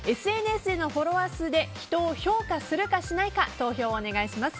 ＳＮＳのフォロワー数で人を評価するか、しないか投票をお願いします。